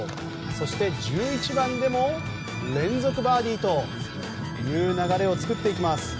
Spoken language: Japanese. そして１１番でも連続バーディーという流れを作っていきます。